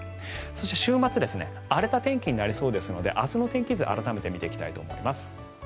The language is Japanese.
そして、週末荒れた天気になりそうですので明日の天気図を改めて見ていきたいと思います。